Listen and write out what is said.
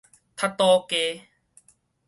窒倒街